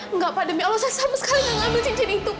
enggak pak demi allah saya sama sekali gak ambil cincin itu